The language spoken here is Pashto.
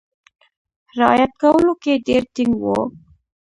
رعایت کولو کې ډېر ټینګ وو.